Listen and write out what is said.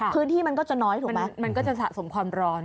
พื้นที่มันก็จะน้อยถูกไหมมันก็จะสะสมความร้อน